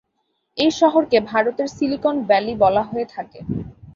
এই শহরকে "ভারতের সিলিকন ভ্যালি" বলা হয়ে থাকে।